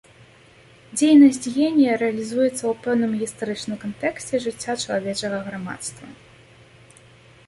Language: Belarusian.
Дзейнасць генія рэалізуецца ў пэўным гістарычным кантэксце жыцця чалавечага грамадства.